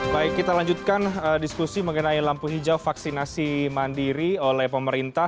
baik kita lanjutkan diskusi mengenai lampu hijau vaksinasi mandiri oleh pemerintah